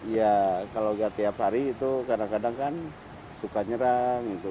ya kalau gak tiap hari itu kadang kadang kan suka nyerang gitu